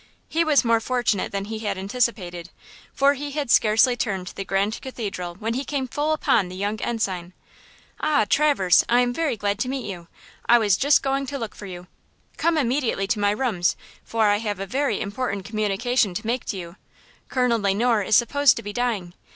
He was more fortunate than he had anticipated, for he had scarcely turned the Grand Cathedral when he came full upon the young ensign. "Ah! Traverse, I am very glad to meet you! I was just going to look for you. Come immediately to my rooms, for I have a very important communication to make to you. Colonel Le Noir is supposed to be dying.